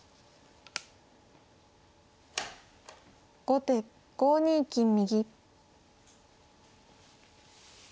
後手５二金右。